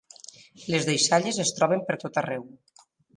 Les deixalles es troben per tot arreu.